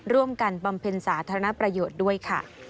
ร่วมกันปรัมเพลงสาธารณประโยชน์ด้วยค่ะ